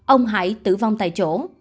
ông hải tử vong tại chỗ